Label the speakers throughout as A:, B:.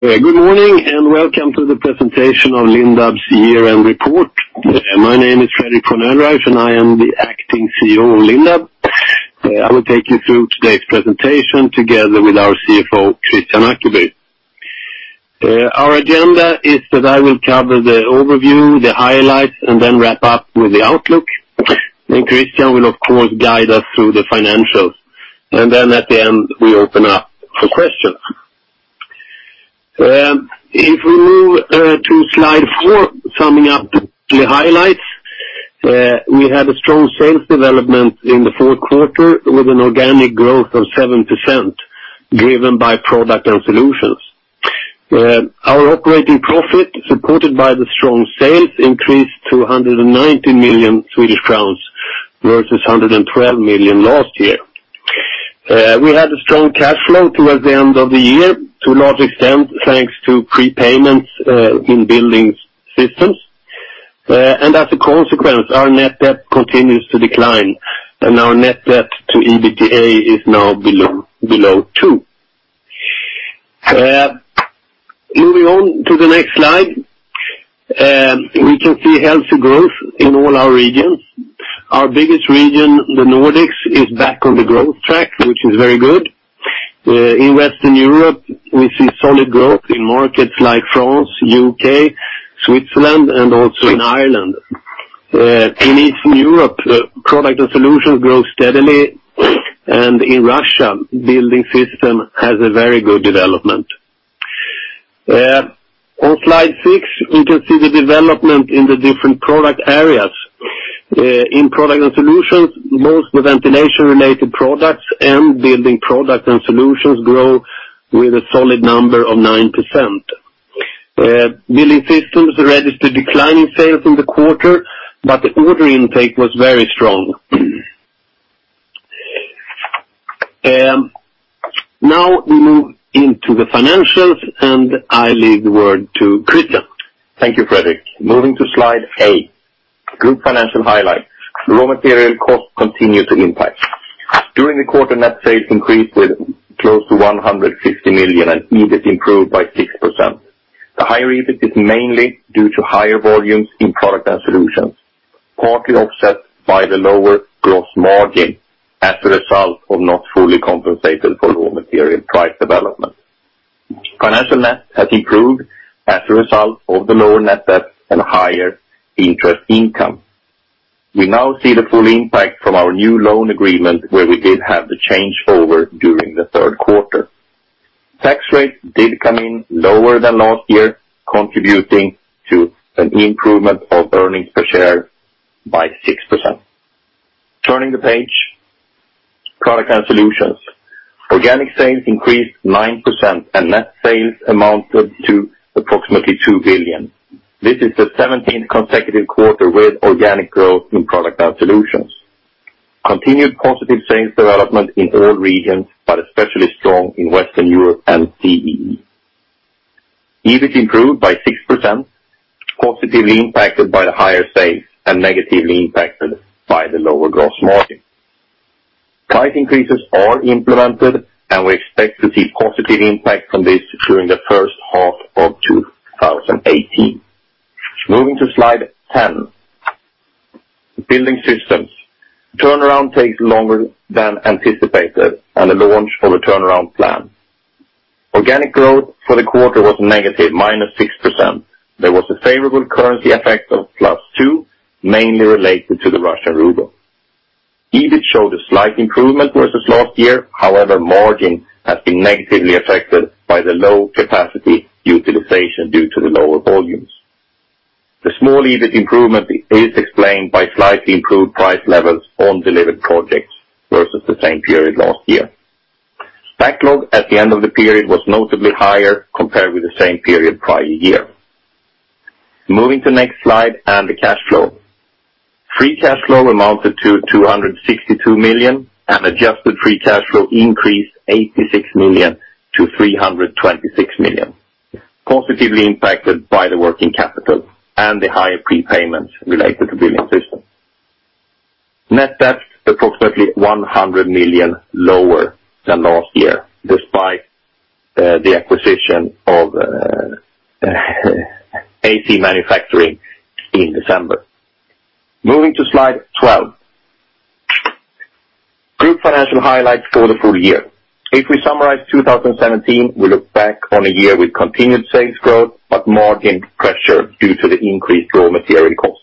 A: Good morning, welcome to the presentation of Lindab's year-end report. My name is Fredrik von Oelreich, I am the acting CEO of Lindab. I will take you through today's presentation together with our CFO, Kristian Ackeby. Our agenda is that I will cover the overview, the highlights, then wrap up with the outlook. Kristian will, of course, guide us through the financials, then at the end, we open up for questions. If we move to slide 4, summing up the highlights, we had a strong sales development in the fourth quarter with an organic growth of 7%, driven by Products & Solutions. Our operating profit, supported by the strong sales, increased to 190 million Swedish crowns, versus 112 million last year. We had a strong cash flow towards the end of the year, to a large extent, thanks to prepayments, in Building Systems. As a consequence, our net debt continues to decline, and our net debt to EBITDA is now below 2. Moving on to the next slide, we can see healthy growth in all our regions. Our biggest region, the Nordics, is back on the growth track, which is very good. In Western Europe, we see solid growth in markets like France, UK, Switzerland, and also in Ireland. In Eastern Europe, Products & Solutions grows steadily, and in Russia, Building Systems has a very good development. On slide 6, we can see the development in the different product areas. In Products & Solutions, most ventilation-related products and building products and solutions grow with a solid number of 9%. Building Systems registered declining sales in the quarter, but the order intake was very strong. Now we move into the financials, and I leave the word to Kristian Ackeby.
B: Thank you, Fredrik. Moving to slide 8, group financial highlights. Raw material cost continue to impact. During the quarter, net sales increased with close to 150 million, and EBIT improved by 6%. The higher EBIT is mainly due to higher volumes in Products & Solutions, partly offset by the lower gross margin as a result of not fully compensated for raw material price development. Financial net has improved as a result of the lower net debt and higher interest income. We now see the full impact from our new loan agreement, where we did have the change forward during the third quarter. Tax rate did come in lower than last year, contributing to an improvement of earnings per share by 6%. Turning the page, Products & Solutions. Organic sales increased 9%, and net sales amounted to approximately 2 billion. This is the 17th consecutive quarter with organic growth in Products & Solutions. Continued positive sales development in all regions, especially strong in Western Europe and CEE. EBIT improved by 6%, positively impacted by the higher sales and negatively impacted by the lower gross margin. Price increases are implemented, we expect to see positive impact from this during the first half of 2018. Moving to slide 10. Building Systems. Turnaround takes longer than anticipated, a launch for the turnaround plan. Organic growth for the quarter was negative, minus 6%. There was a favorable currency effect of +2%, mainly related to the Russian RUB. EBIT showed a slight improvement versus last year. Margin has been negatively affected by the low capacity utilization due to the lower volumes. The small EBIT improvement is explained by slightly improved price levels on delivered projects versus the same period last year. Backlog at the end of the period was notably higher compared with the same period prior year. Moving to next slide and the cash flow. Free cash flow amounted to 262 million, and adjusted free cash flow increased 86 million to 326 million, positively impacted by the working capital and the higher prepayments related to Building Systems. Net debt, approximately 100 million lower than last year, despite the acquisition AC Manufacturing Ltd in December. Moving to slide 12. Group financial highlights for the full year. If we summarize 2017, we look back on a year with continued sales growth, but margin pressure due to the increased raw material costs.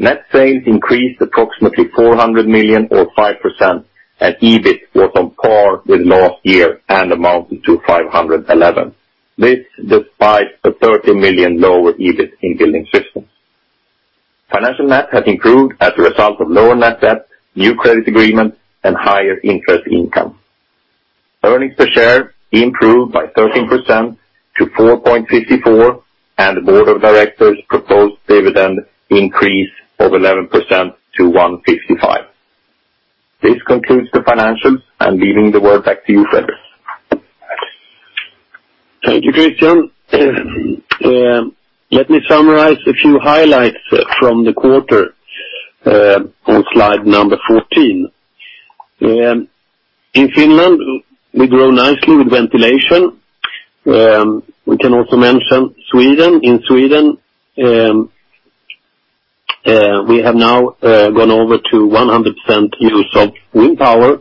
B: Net sales increased approximately 400 million, or 5%. EBIT was on par with last year and amounted to 511 million. This, despite a 30 million lower EBIT in Building Systems. Financial net has improved as a result of lower net debt, new credit agreement, and higher interest income. Earnings per share improved by 13% to 4.54. The board of directors proposed dividend increase of 11% to 1.55. This concludes the financials, I'm leaving the word back to you, Fredrik.
A: Thank you, Kristian. Let me summarize a few highlights from the quarter on slide number 14. In Finland, we grow nicely with ventilation. We can also mention Sweden. In Sweden, we have now gone over to 100% use of wind power,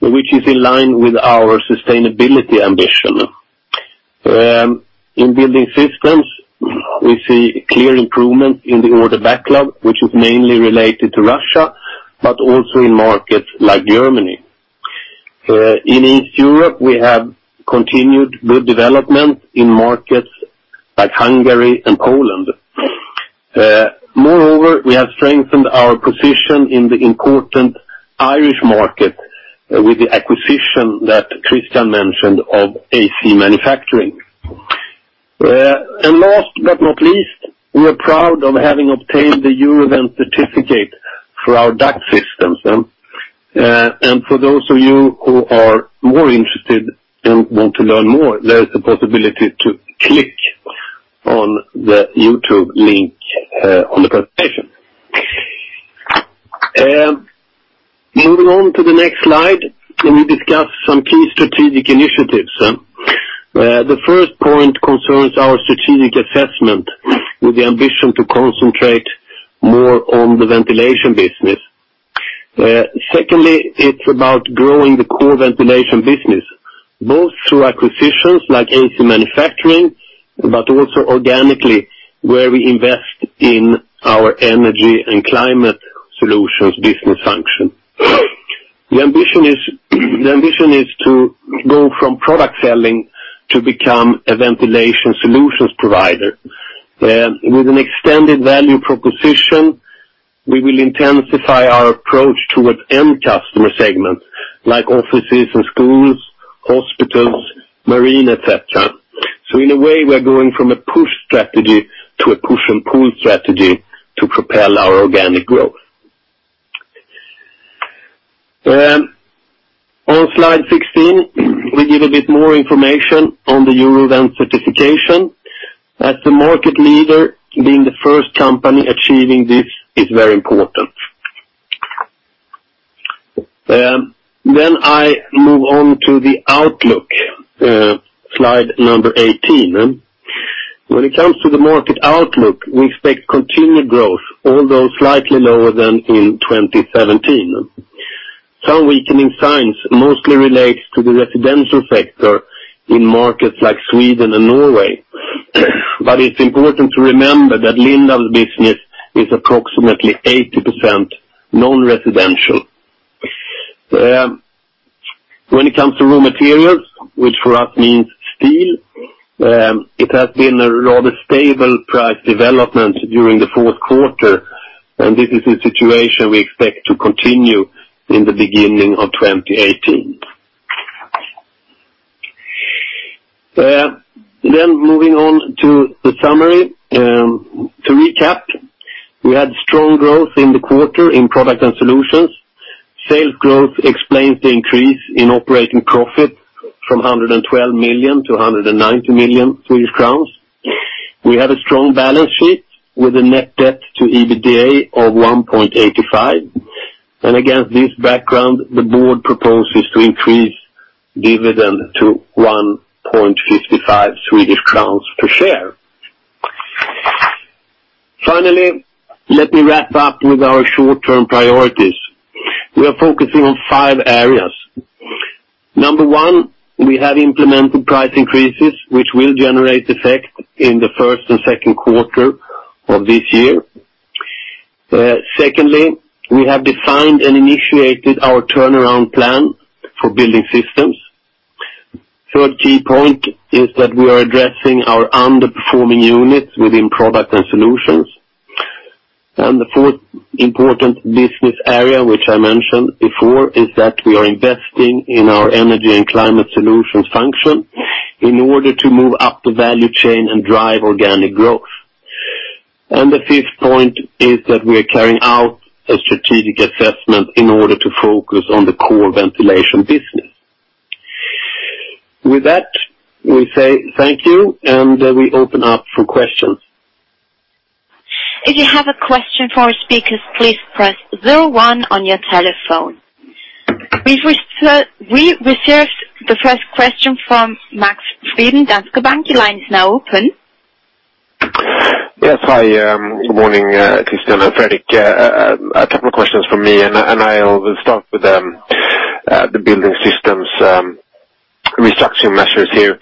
A: which is in line with our sustainability ambition. In Building Systems, we see clear improvement in the order backlog, which is mainly related to Russia, but also in markets like Germany. In East Europe, we have continued good development in markets like Hungary and Poland. Moreover, we have strengthened our position in the important Irish market with the acquisition that Kristian mentioned of AC Manufacturing Ltd. Last but not least, we are proud of having obtained the Eurovent certificate for our duct systems. For those of you who are more interested and want to learn more, there is a possibility to click on the YouTube link on the presentation. Moving on to the next slide, let me discuss some key strategic initiatives. The first point concerns our strategic assessment, with the ambition to concentrate more on the ventilation business. Secondly, it's about growing the core ventilation business, both through acquisitions like AC Manufacturing, but also organically, where we invest in our energy and climate solutions business function. The ambition is to go from product selling to become a ventilation solutions provider. With an extended value proposition, we will intensify our approach towards end customer segments, like offices and schools, hospitals, marine, et cetera. In a way, we are going from a push strategy to a push and pull strategy to propel our organic growth. On slide 16, we give a bit more information on the Eurovent certification. As the market leader, being the first company achieving this is very important. I move on to the outlook, slide number 18. When it comes to the market outlook, we expect continued growth, although slightly lower than in 2017. Some weakening signs mostly relates to the residential sector in markets like Sweden and Norway, but it's important to remember that Lindab's business is approximately 80% non-residential. When it comes to raw materials, which for us means steel, it has been a rather stable price development during the fourth quarter, and this is a situation we expect to continue in the beginning of 2018. Moving on to the summary. To recap, we had strong growth in the quarter in Products & Solutions. Sales growth explains the increase in operating profit from 112 million to 190 million Swedish crowns. We have a strong balance sheet, with a net debt to EBITDA of 1.85. Against this background, the board proposes to increase dividend to 1.55 Swedish crowns per share. Finally, let me wrap up with our short-term priorities. We are focusing on 5 areas. Number 1, we have implemented price increases, which will generate effect in the 1st and 2nd quarter of this year. 2nd, we have defined and initiated our turnaround plan for Building Systems. 3rd key point is that we are addressing our underperforming units within Products & Solutions. The fourth important business area, which I mentioned before, is that we are investing in our energy and climate solutions function in order to move up the value chain and drive organic growth. The fifth point is that we are carrying out a strategic assessment in order to focus on the core ventilation business. With that, we say thank you, and we open up for questions.
C: If you have a question for our speakers, please press zero-one on your telephone. We received the first question from Max Frydén, Danske Bank, your line is now open.
D: Yes. Hi, good morning, Kristian and Fredrik. A couple of questions from me, and I'll start with the Building Systems restructuring measures here.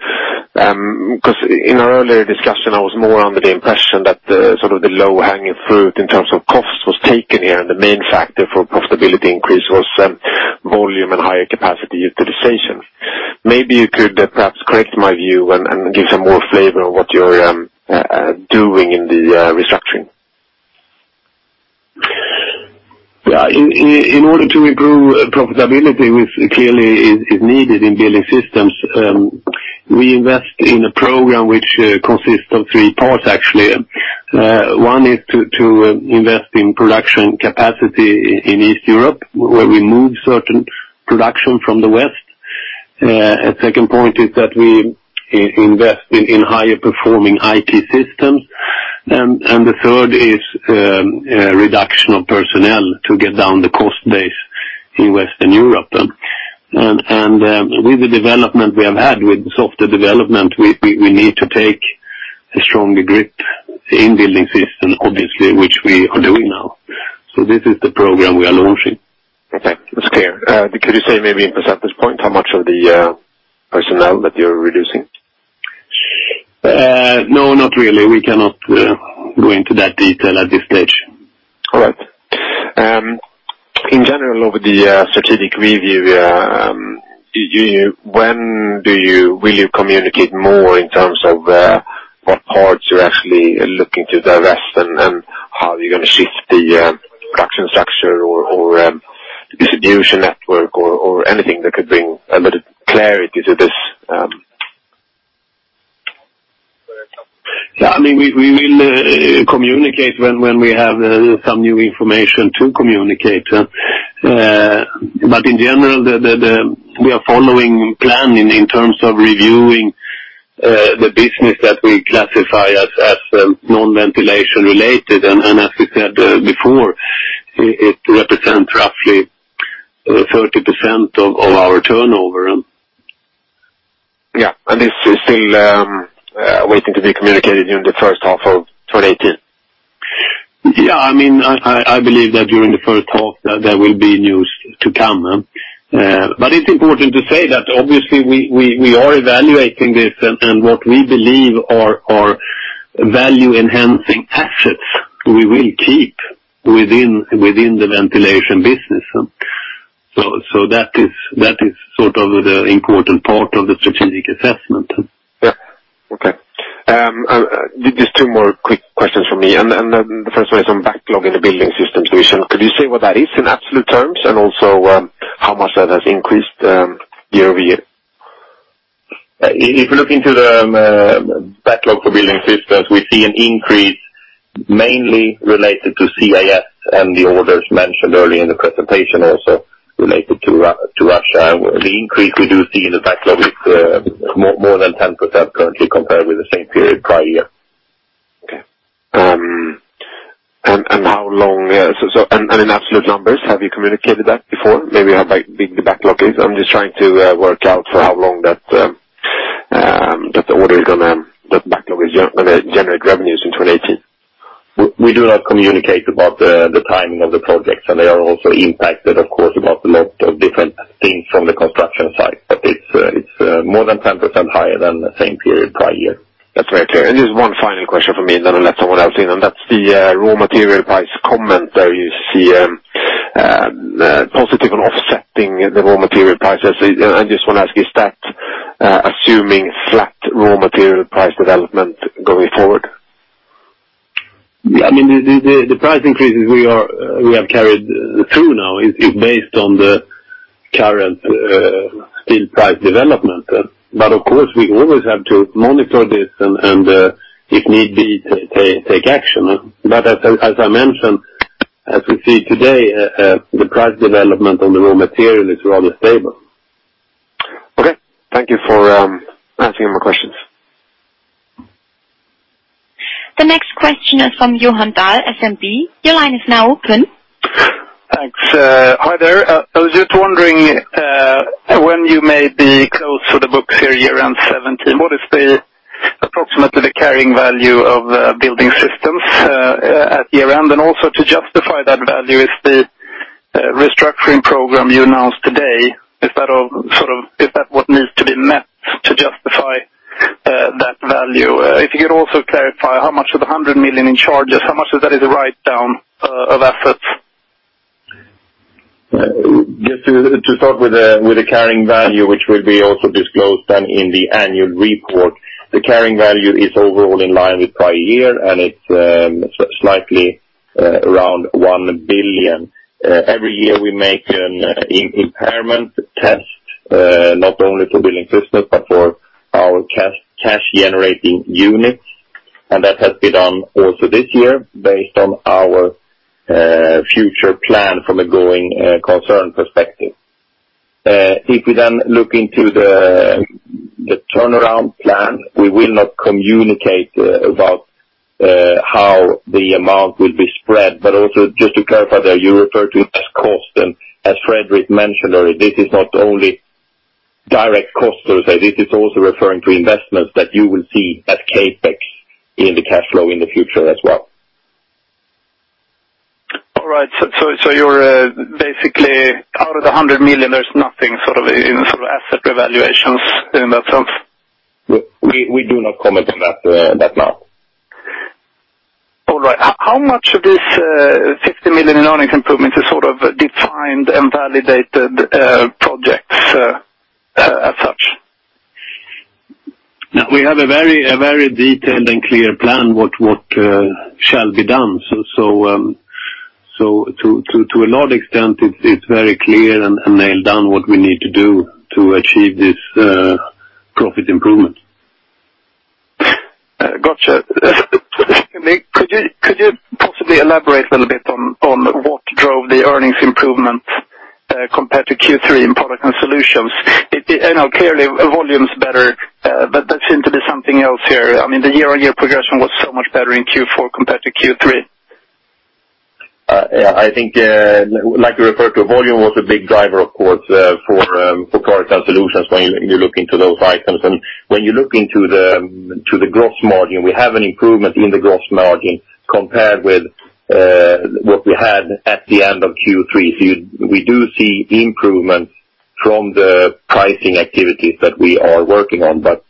D: In our earlier discussion, I was more under the impression that the sort of the low-hanging fruit in terms of costs was taken here, and the main factor for profitability increase was volume and higher capacity utilization. Maybe you could perhaps correct my view and give some more flavor on what you're doing in the restructuring.
A: In order to improve profitability, which clearly is needed in Building Systems, we invest in a program which consists of three parts, actually. One is to invest in production capacity in East Europe, where we move certain production from the West. A second point is that we invest in higher performing IT systems. The third is reduction of personnel to get down the cost base in Western Europe. With the development we have had, with the software development, we need to take a stronger grip in Building Systems, obviously, which we are doing now. This is the program we are launching.
D: Okay, it's clear. Could you say maybe in percentage point, how much of the personnel that you're reducing?
A: no, not really. We cannot go into that detail at this stage.
D: All right. In general, over the strategic review, will you communicate more in terms of what parts you're actually looking to divest, and how you're gonna shift the production structure or distribution network or anything that could bring a bit of clarity to this?
A: Yeah, I mean, we will communicate when we have some new information to communicate. In general, We are following plan in terms of reviewing the business that we classify as non-ventilation related, and as we said before, it represents roughly 30% of our turnover.
D: Yeah, this is still, waiting to be communicated during the first half of 2018?
A: Yeah, I mean, I believe that during the first half, there will be news to come. It's important to say that obviously we are evaluating this, and what we believe are value-enhancing assets, we will keep within the ventilation business. That is sort of the important part of the strategic assessment.
D: Yeah. Okay. Just two more quick questions from me, and the first one is on backlog in the Building Systems division. Could you say what that is in absolute terms, and also, how much that has increased, year-over-year?
A: If you look into the backlog for Building Systems, we see an increase mainly related to CIS and the orders mentioned earlier in the presentation, also related to Russia. The increase we do see in the backlog is more than 10% currently, compared with the same period prior year.
D: Okay. How long, and in absolute numbers, have you communicated that before? Maybe how big the backlog is. I'm just trying to work out for how long that the order is gonna, the backlog is gonna generate revenues in 2018.
A: We do not communicate about the timing of the projects. They are also impacted, of course, about a lot of different things from the construction side. It's more than 10% higher than the same period prior year.
D: That's very clear. Just 1 final question from me, then I'll let someone else in, and that's the raw material price comment there. You see, positive and offsetting the raw material prices. I just want to ask, is that assuming flat raw material price development going forward?
A: Yeah, I mean, the price increases we have carried through now is based on the current steel price development. Of course, we always have to monitor this and, if need be, take action. As I mentioned, as we see today, the price development on the raw material is rather stable.
D: Okay. Thank you for answering my questions.
C: The next question is from Johan Dahl, SEB. Your line is now open.
E: Thanks. Hi there. I was just wondering, when you may be close to the books for year-end 2017, what is the approximately the carrying value of Building Systems at year-end? Also to justify that value, is the restructuring program you announced today, is that what needs to be met to justify that value? If you could also clarify, how much of the 100 million in charges, how much of that is a write-down of assets?
B: Just to start with the carrying value, which will be also disclosed then in the annual report, the carrying value is overall in line with prior year, and it's slightly around 1 billion. Every year, we make an impairment test, not only to Building Systems, but for our cash-generating units. That has been done also this year, based on our future plan from a going concern perspective. If we then look into the turnaround plan, we will not communicate about how the amount will be spread. Also, just to clarify there, you refer to it as cost, and as Fredrik mentioned already, this is not only direct costs per se, this is also referring to investments that you will see as CapEx in the cash flow in the future as well.
E: All right. So you're basically, out of the 100 million, there's nothing sort of in, sort of asset revaluations in that sense?
A: We do not comment on that now.
E: All right. How much of this, 50 million in earnings improvement is sort of defined and validated, projects, as such?
A: We have a very detailed and clear plan, what shall be done. To a large extent, it's very clear and nailed down what we need to do to achieve this profit improvement.
E: Gotcha. Could you possibly elaborate a little bit on what drove the earnings improvement compared to Q3 in Products & Solutions? It I know clearly, volume's better, but there seem to be something else here. I mean, the year-on-year progression was so much better in Q4 compared to Q3.
A: Yeah, I think, like you referred to, volume was a big driver, of course, for Products & Solutions when you look into those items. When you look into the, to the gross margin, we have an improvement in the gross margin compared with what we had at the end of Q3. We do see improvements from the pricing activities that we are working on, but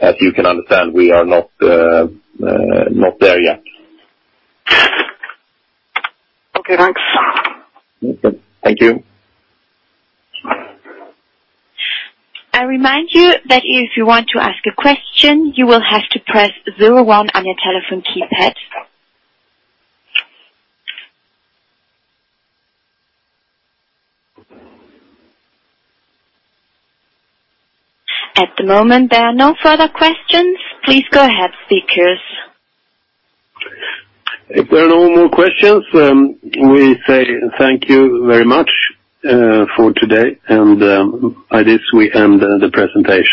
A: as you can understand, we are not there yet.
E: Okay, thanks.
A: Welcome. Thank you.
C: I remind you that if you want to ask a question, you will have to press 01 on your telephone keypad. At the moment, there are no further questions. Please go ahead, speakers.
A: If there are no more questions, we say thank you very much for today, and by this, we end the presentation.